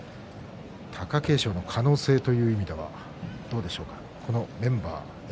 貴景勝の可能性という意味ではどうでしょうか。